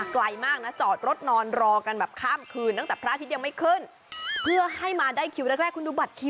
เกี่ยวร้อยห้าร้อยคิวเยอะมากเลยนะคะ